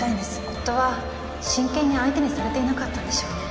夫は真剣に相手にされていなかったんでしょうね。